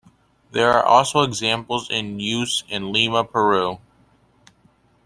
There are also examples in use in Lima, Peru.